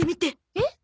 えっ？